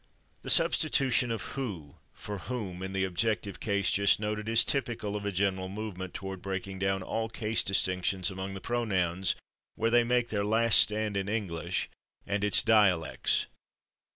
[Pg219] The substitution of /who/ for /whom/ in the objective case, just noticed, is typical of a general movement toward breaking down all case distinctions among the pronouns, where they make their last stand in English and its dialects.